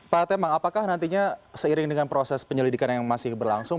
pak tema apakah nantinya seiring dengan proses penyelidikan yang masih berlangsung